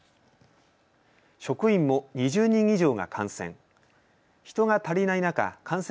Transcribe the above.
職員も２０人以上が感染。